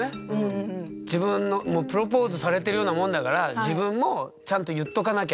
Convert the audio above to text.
もうプロポーズされてるようなもんだから自分もちゃんと言っとかなきゃと。